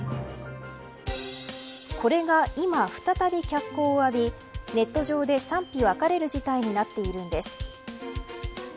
これが今、再び脚光を浴びネット上で、賛否分かれる事態になっているんです。